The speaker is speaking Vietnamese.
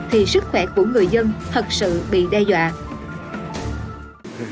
thì sức khỏe của người dân thật sự bị đe dọa